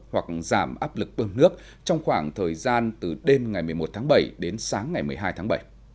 hoặc giảm áp lực bơm nước trong khoảng thời gian từ đêm ngày một mươi một tháng bảy đến sáng ngày một mươi hai tháng bảy